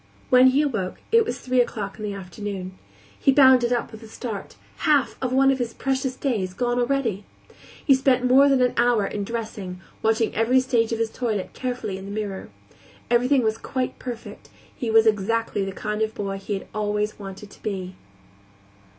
When he awoke, it was three o'clock in the afternoon. He bounded up with a start; half of one of his precious days gone already! He spent more than an hour in dressing, watching every stage of his toilet carefully in the mirror. Everything was quite perfect; he was exactly the kind of boy he had always wanted to be.